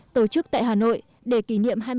tổ chức tại hà nội để kỷ niệm